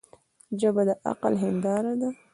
ژبه د عقل هنداره ده